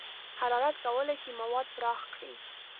حرارت کولی شي مواد پراخ کړي.